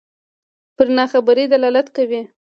پر ناخبرۍ دلالت کوي.